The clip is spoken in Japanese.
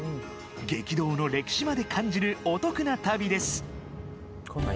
激動の歴史まで感じるお得な旅です。